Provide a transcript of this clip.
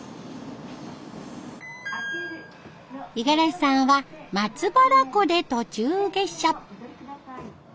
五十嵐さんは松原湖で途中下車。